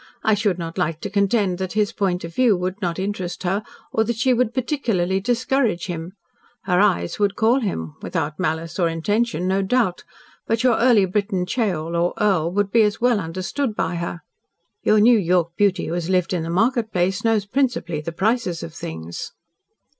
"I should not like to contend that his point of view would not interest her or that she would particularly discourage him. Her eyes would call him without malice or intention, no doubt, but your early Briton ceorl or earl would be as well understood by her. Your New York beauty who has lived in the market place knows principally the prices of things."